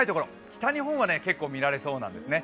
北日本は結構、見られそうなんですね。